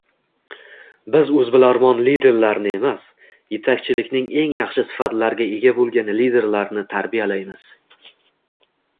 Biz oʻzbilarmon liderlarni emas, yetakchilikning eng yaxshi sifatlariga ega bo’hlgan liderlarni tarbiyalaymiz.